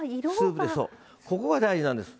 ここが大事なんです。